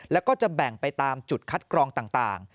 แล้วก็จะแบ่งไปตามจุดคัดกรองต่าง